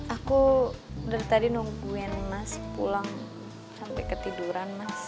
aku dari tadi nungguin mas pulang sampai ketiduran mas